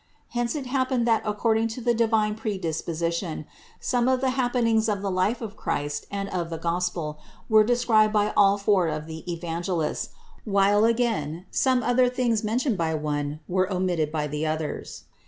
Hence it happened that according to divine pre disposition some of the happenings of the life of Christ and of the Gospel were described by all four of the Evangelists, while again some other things mentioned by one were omitted by the others.